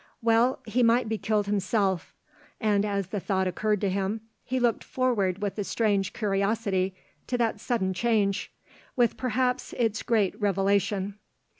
Well, he might be killed himself; and as the thought occurred to him he looked forward with a strange curiosity to that sudden change, with perhaps its great revelation.